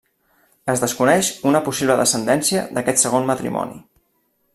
Es desconeix una possible descendència d'aquest segon matrimoni.